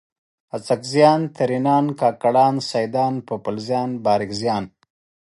اڅکزیان، ترینان، کاکړان، سیدان ، پوپلزیان، بارکزیان